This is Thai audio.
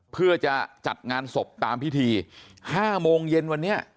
เพื่อจะจัดงานศพตามพิธี๕โมงเย็นวันนี้